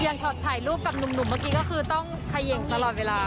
ช็อตถ่ายรูปกับหนุ่มเมื่อกี้ก็คือต้องเขย่งตลอดเวลา